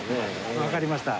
わかりました。